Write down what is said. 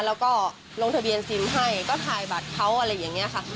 แล้วก็ลงทะเบียนซิมให้ก็ถ่ายบัตรเขาอะไรอย่างนี้ค่ะ